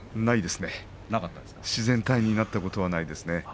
私は自然体だったことはないですね。